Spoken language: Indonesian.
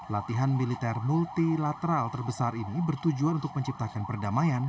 latihan militer multilateral terbesar ini bertujuan untuk menciptakan perdamaian